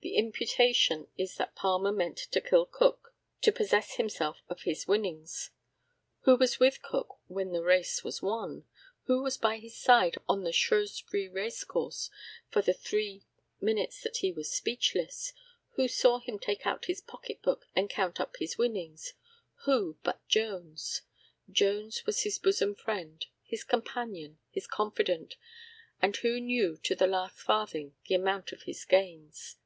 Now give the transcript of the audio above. The imputation is that Palmer meant to kill Cook to possess himself of his winnings. Who was with Cook when the race was won? Who was by his side on the Shrewsbury racecourse for the three minutes that he was speechless? Who saw him take out his pocketbook and count up his winnings? Who but Jones? Jones, who was his bosom friend, his companion, his confidant, and who knew to the last farthing the amount of his gains.